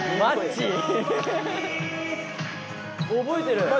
覚えてる！